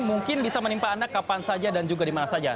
mungkin bisa menimpa anda kapan saja dan juga di mana saja